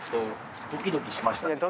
ドキドキしましたね。